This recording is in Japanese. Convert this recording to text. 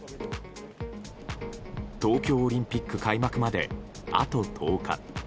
東京オリンピック開幕まであと１０日。